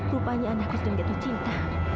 rupanya anakku sudah menggantung cinta